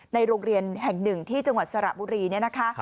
ในโรงเรียนแห่งหนึ่งที่จังหวัดสระบุรีเนี่ยนะคะ